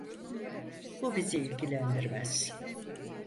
Bu bizi ilgilendirmez.